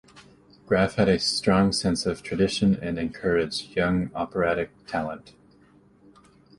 Graf had a strong sense of tradition and encouraged young operatic talent.